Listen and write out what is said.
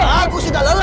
aku sudah lelah